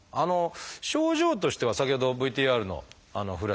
症状としては先ほどＶＴＲの古橋さん